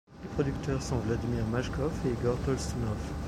Les producteurs sont Vladimir Machkov, et Igor Tolstounov.